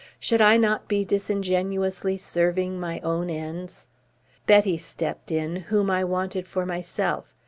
Should I not be disingenuously serving my own ends? Betty stepped in, whom I wanted for myself.